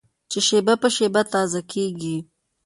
چې شېبه په شېبه تازه کېږي.